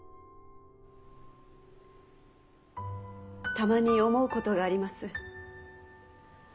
たまに思うことがあります。